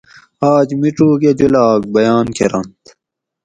آج میڄوک اۤ جولاگ بیان کرنت